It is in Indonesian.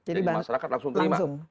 jadi masyarakat langsung terima